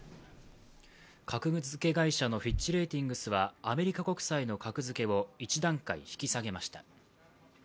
格付け会社のフィッチ・レーティングスはアメリカ国債の格付けを１段階引き下げました。